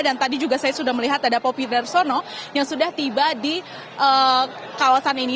dan tadi juga saya sudah melihat ada popir darsono yang sudah tiba di kawasan ini